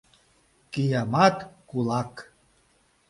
Киямат кулак!